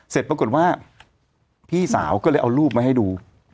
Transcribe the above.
เสร็จปรากฏว่าพี่สาวก็เลยเอารูปมาให้ดู